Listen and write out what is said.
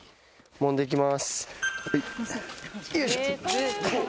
「もんできます」。